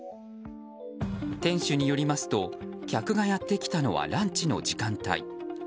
店主によりますと客がやってきたのはランチの時間帯。